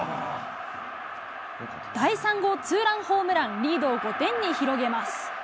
第３号ツーランホームラン、リードを５点に広げます。